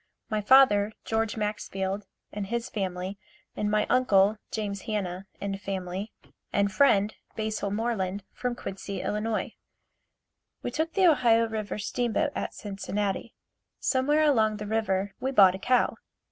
My father, George Maxfield and his family and my uncle, James Hanna and family and friend, Basil Moreland, from Quincy, Ill. We took the Ohio River steam boat at Cincinnati. Somewhere along the river we bought a cow.